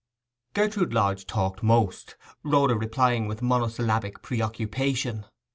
Gertrude Lodge talked most, Rhoda replying with monosyllabic preoccupation.